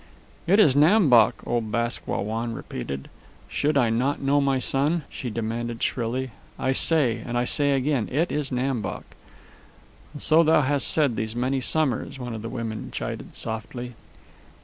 "It is Nam Bok," old Bask Wah Wan repeated. "Should I not know my son!" she demanded shrilly. "I say, and I say again, it is Nam Bok." "And so thou hast said these many summers," one of the women chided softly.